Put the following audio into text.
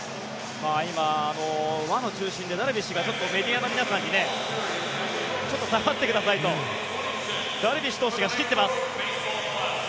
今、輪の中心でダルビッシュがちょっとメディアの皆さんに下がってくださいとダルビッシュ投手が仕切ってます。